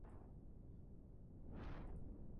El islam es la religión más practicada en Asia Central.